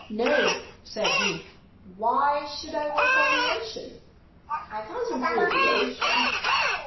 "No," said he. "Why should I work on the ocean? I can't improve the ocean."